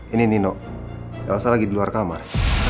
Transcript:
ini nino elsa lagi di luar kamar